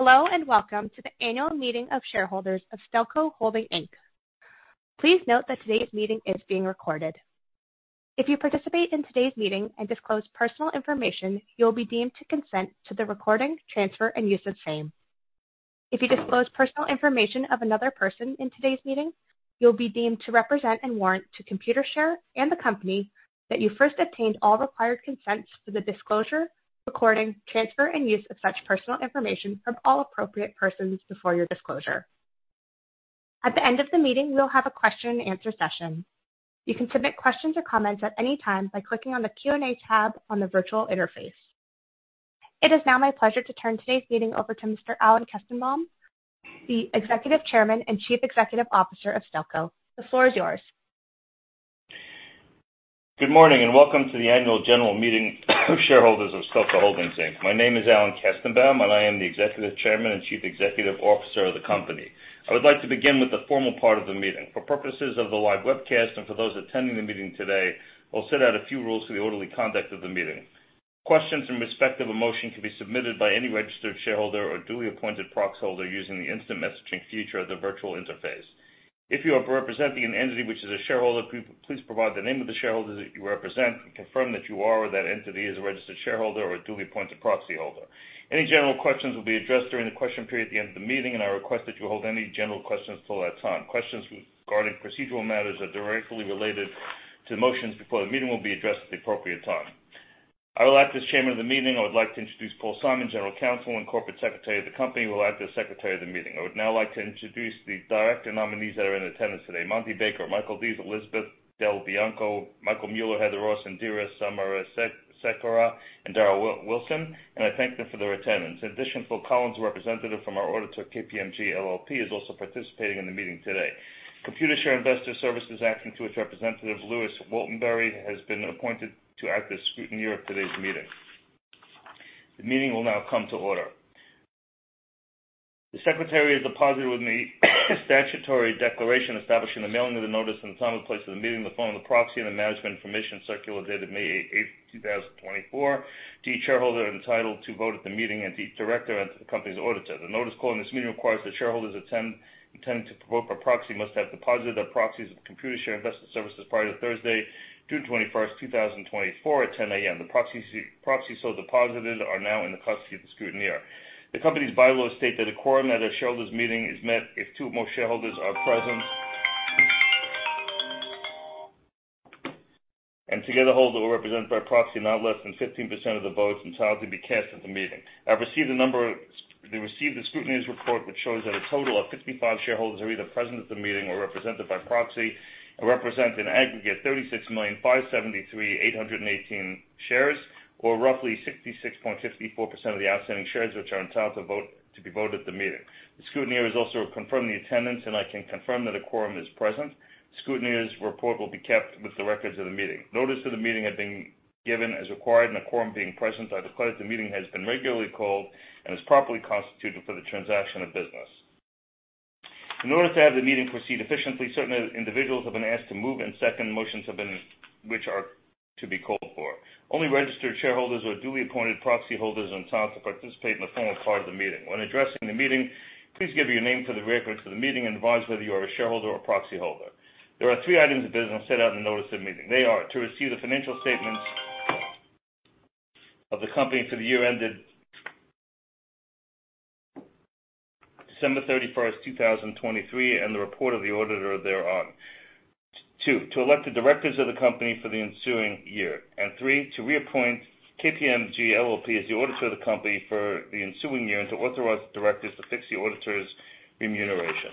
Hello and welcome to the annual meeting of shareholders of Stelco Holdings Inc. Please note that today's meeting is being recorded. If you participate in today's meeting and disclose personal information, you'll be deemed to consent to the recording, transfer, and use of same. If you disclose personal information of another person in today's meeting, you'll be deemed to represent and warrant to Computershare and the company that you first obtained all required consents for the disclosure, recording, transfer, and use of such personal information from all appropriate persons before your disclosure. At the end of the meeting, we'll have a question-and-answer session. You can submit questions or comments at any time by clicking on the Q&A tab on the virtual interface. It is now my pleasure to turn today's meeting over to Mr. Alan Kestenbaum, the Executive Chairman and Chief Executive Officer of Stelco. The floor is yours. Good morning and welcome to the annual general meeting of shareholders of Stelco Holdings Inc. My name is Alan Kestenbaum, and I am the Executive Chairman and Chief Executive Officer of the company. I would like to begin with the formal part of the meeting. For purposes of the live webcast and for those attending the meeting today, I'll set out a few rules for the orderly conduct of the meeting. Questions in respect of a motion can be submitted by any registered shareholder or duly appointed proxyholder using the instant messaging feature of the virtual interface. If you are representing an entity which is a shareholder, please provide the name of the shareholder that you represent and confirm that you are or that entity is a registered shareholder or a duly appointed proxyholder. Any general questions will be addressed during the question period at the end of the meeting, and I request that you hold any general questions till that time. Questions regarding procedural matters that directly related to motions before the meeting will be addressed at the appropriate time. I will act as Chairman of the meeting. I would like to introduce Paul Simon, General Counsel and Corporate Secretary of the company, who will act as Secretary of the meeting. I would now like to introduce the director nominees that are in attendance today. Monty Baker, Michael Dees, Elizabeth DelBianco, Michael Mueller, Heather Ross, Indira Samarasekera, and Daryl Wilson, and I thank them for their attendance. In addition, Phil Collins, representative from our auditor KPMG LLP, is also participating in the meeting today. Computershare Investor Services, to which representative Louise Waltenbury has been appointed to act as scrutineer of today's meeting. The meeting will now come to order. The secretary has deposited with me a statutory declaration establishing the mailing of the notice and time and place of the meeting, the form of the proxy and the management information circular dated May 8th, 2024, to each shareholder entitled to vote at the meeting and each director and to the company's auditor. The notice calling this meeting requires that shareholders attending to vote by proxy must have deposited their proxies with Computershare Investor Services prior to Thursday, June 21st, 2024 at 10 A.M. The proxies so deposited are now in the custody of the scrutineer. The company's bylaws state that a quorum at a shareholders meeting is met if two or more shareholders are present and together hold or will represent by proxy not less than 15% of the votes entitled to be cast at the meeting. I've received the scrutineer's report, which shows that a total of 55 shareholders are either present at the meeting or represented by proxy and represent in aggregate 36,573,818 shares, or roughly 66.54% of the outstanding shares which are entitled to vote, to be voted at the meeting. The scrutineer has also confirmed the attendance, and I can confirm that a quorum is present. Scrutineer's report will be kept with the records of the meeting. Notice of the meeting has been given as required, and a quorum being present, I declare that the meeting has been regularly called and is properly constituted for the transaction of business. In order to have the meeting proceed efficiently, certain individuals have been asked to move and second motions, which are to be called for. Only registered shareholders or duly appointed proxyholders are entitled to participate in the formal part of the meeting. When addressing the meeting, please give your name for the record to the meeting and advise whether you are a shareholder or proxyholder. There are three items of business set out in the notice of the meeting. They are to receive the financial statements of the company for the year ended December 31st, 2023, and the report of the auditor thereon. Two, to elect the directors of the company for the ensuing year. Three, to reappoint KPMG LLP as the auditor of the company for the ensuing year and to authorize the directors to fix the auditor's remuneration.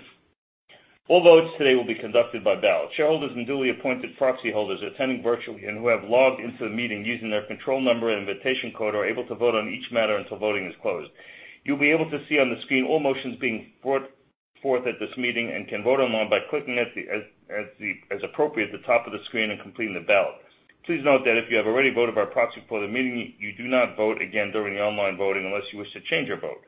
All votes today will be conducted by ballot. Shareholders and duly appointed proxy holders attending virtually and who have logged into the meeting using their control number and invitation code are able to vote on each matter until voting is closed. You'll be able to see on the screen all motions being brought forth at this meeting and can vote online by clicking, as appropriate, at the top of the screen and completing the ballot. Please note that if you have already voted by proxy for the meeting, you do not vote again during the online voting unless you wish to change your vote.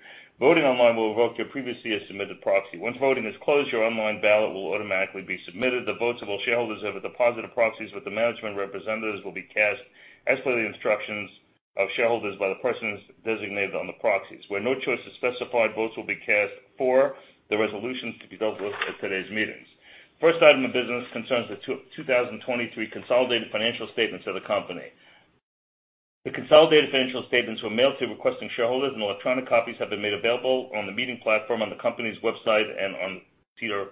Voting online will revoke your previously submitted proxy. Once voting is closed, your online ballot will automatically be submitted. The votes of all shareholders who have deposited proxies with the management representatives will be cast as per the instructions of shareholders by the persons designated on the proxies. Where no choice is specified, votes will be cast for the resolutions to be dealt with at today's meetings. First item of business concerns the 2023 consolidated financial statements of the company. The consolidated financial statements were mailed to requesting shareholders and electronic copies have been made available on the meeting platform, on the company's website, and on SEDAR+.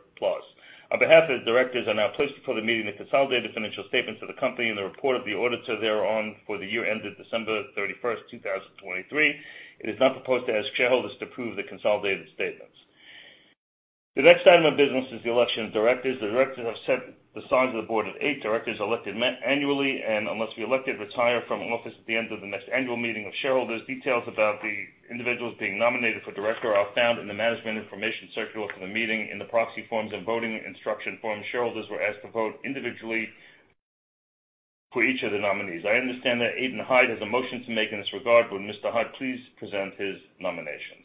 On behalf of the directors we are now pleased to put before the meeting the consolidated financial statements of the company and the report of the auditor thereon for the year ended December 31st, 2023. It is now proposed to the shareholders to approve the consolidated statements. The next item of business is the election of directors. The directors have set the size of the board at eight directors elected annually and, unless re-elected, retire from office at the end of the next annual meeting of shareholders. Details about the individuals being nominated for director are found in the management information circular for the meeting in the proxy forms and voting instruction forms. Shareholders were asked to vote individually for each of the nominees. I understand that Aidan Hyde has a motion to make in this regard. Would Mr. Hyde please present his nominations.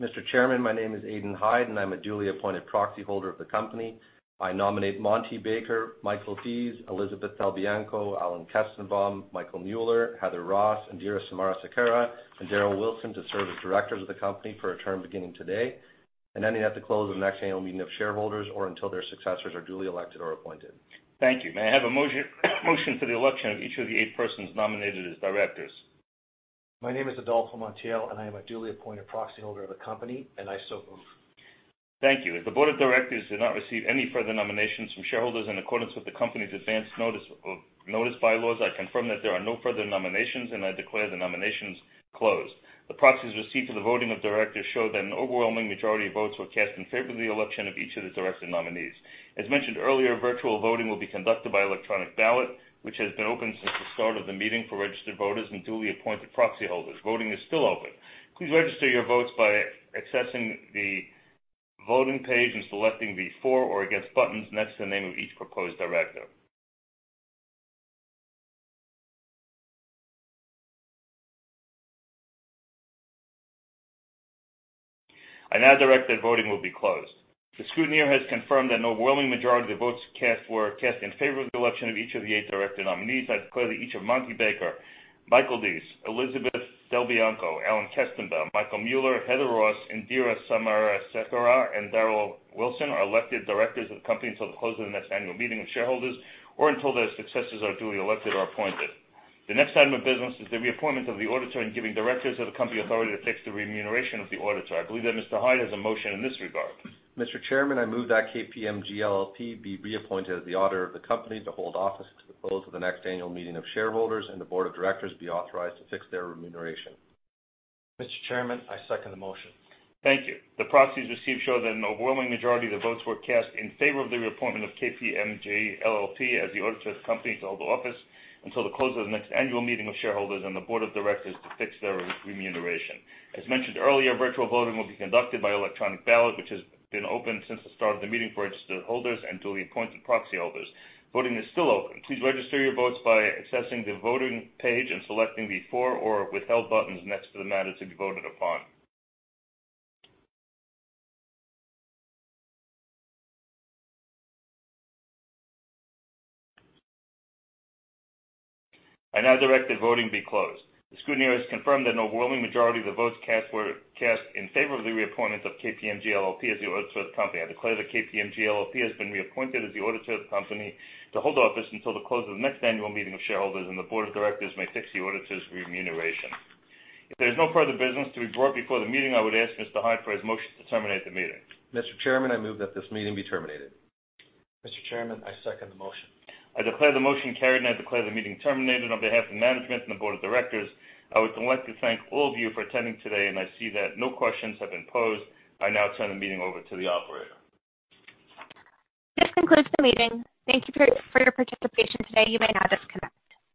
Mr. Chairman, my name is Aidan Hyde, and I'm a duly appointed proxy holder of the company. I nominate Monty Baker, Michael Dees, Elizabeth DelBianco, Alan Kestenbaum, Michael Mueller, Heather Ross, Indira Samarasekera, and Daryl Wilson to serve as directors of the company for a term beginning today. Ending at the close of the next annual meeting of shareholders or until their successors are duly elected or appointed. Thank you. May I have a motion for the election of each of the eight persons nominated as directors? My name is Adolfo Montiel, and I am a duly appointed proxy holder of the company, and I so move. Thank you. If the board of directors did not receive any further nominations from shareholders in accordance with the company's advance notice bylaws, I confirm that there are no further nominations, and I declare the nominations closed. The proxies received for the voting of directors show that an overwhelming majority of votes were cast in favor of the election of each of the director nominees. As mentioned earlier, virtual voting will be conducted by electronic ballot, which has been open since the start of the meeting for registered voters and duly appointed proxy holders. Voting is still open. Please register your votes by accessing the voting page and selecting the for or against buttons next to the name of each proposed director. I now direct that voting will be closed. The scrutineer has confirmed that an overwhelming majority of the votes cast were cast in favor of the election of each of the eight director nominees. I declare that each of Monty Baker, Michael Dees, Elizabeth DelBianco, Alan Kestenbaum, Michael Mueller, Heather Ross, Indira Samarasekera, and Daryl Wilson are elected directors of the company until the close of the next annual meeting of shareholders or until their successors are duly elected or appointed. The next item of business is the reappointment of the auditor and giving directors of the company authority to fix the remuneration of the auditor. I believe that Mr. Hyde has a motion in this regard. Mr. Chairman, I move that KPMG LLP be reappointed as the auditor of the company to hold office until the close of the next annual meeting of shareholders and the board of directors be authorized to fix their remuneration. Mr. Chairman, I second the motion. Thank you. The proxies received show that an overwhelming majority of the votes were cast in favor of the reappointment of KPMG LLP as the auditor of the company to hold office until the close of the next annual meeting of shareholders and the board of directors to fix their remuneration. As mentioned earlier, virtual voting will be conducted by electronic ballot, which has been open since the start of the meeting for registered holders and duly appointed proxy holders. Voting is still open. Please register your votes by accessing the voting page and selecting the for or withhold buttons next to the matter to be voted upon. I now direct that voting be closed. The scrutineer has confirmed that an overwhelming majority of the votes cast were cast in favor of the reappointment of KPMG LLP as the auditor of the company. I declare that KPMG LLP has been reappointed as the auditor of the company to hold office until the close of the next annual meeting of shareholders, and the board of directors may fix the auditor's remuneration. If there's no further business to be brought before the meeting, I would ask Mr. Hyde for his motion to terminate the meeting. Mr. Chairman, I move that this meeting be terminated. Mr. Chairman, I second the motion. I declare the motion carried, and I declare the meeting terminated. On behalf of management and the board of directors, I would like to thank all of you for attending today, and I see that no questions have been posed. I now turn the meeting over to the operator. This concludes the meeting. Thank you for your participation today. You may now disconnect.